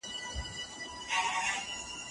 د موخې لپاره قرباني ورکړئ.